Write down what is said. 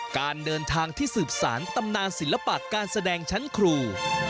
การเดินทางที่สืบสารตำนานศิลปะการแสดงชั้นครู